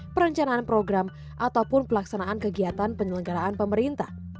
perencanaan program ataupun pelaksanaan kegiatan penyelenggaraan pemerintah